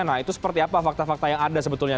nah itu seperti apa fakta fakta yang ada sebetulnya